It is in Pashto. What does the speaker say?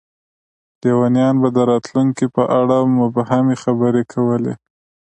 لیونیان به د راتلونکي په اړه مبهمې خبرې کولې.